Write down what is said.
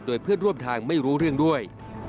ด้วย